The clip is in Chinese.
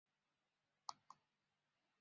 她的家人几乎全部都和桌球运动有关。